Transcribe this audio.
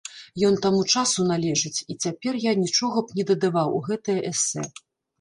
Ён таму часу належыць, і цяпер я нічога б не дадаваў у гэтае эсэ.